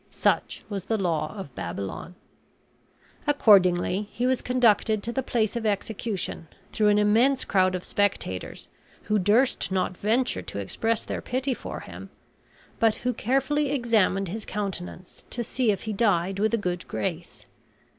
Such was the law of Babylon. Accordingly he was conducted to the place of execution, through an immense crowd of spectators, who durst not venture to express their pity for him, but who carefully examined his countenance to see if he died with a good grace.